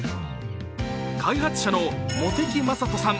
開発者の茂木政人さん